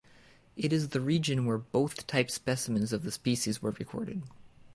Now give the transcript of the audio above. It is the region where both type specimens of the species were recorded.